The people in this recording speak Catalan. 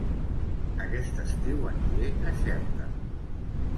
Aquest estiu aniré a Xerta